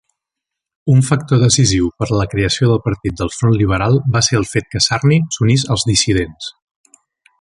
Un factor decisiu per a la creació del Partit del Front Liberal va ser el fet que Sarney s'unís als dissidents.